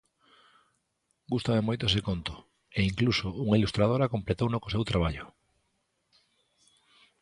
Gústame moito ese conto, e incluso unha ilustradora completouno co seu traballo.